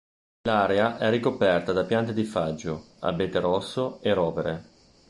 L'area è ricoperta da piante di faggio, abete rosso e rovere.